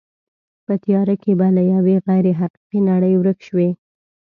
په تیاره کې به له یوې غیر حقیقي نړۍ ورک شوې.